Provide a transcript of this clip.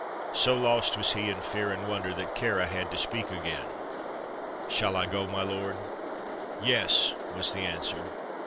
So lost was he in fear and wonder that Kāra had to speak again. "Shall I go, my lord?" "Yes," was the answer.